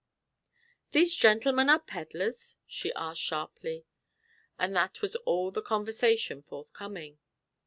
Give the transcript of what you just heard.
'These gentlemen are pedlars?' she asked sharply. And that was all the conversation forthcoming.